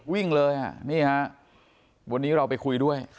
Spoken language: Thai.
วิ่งเลยอ่ะนี่ฮะวันนี้เราไปคุยด้วย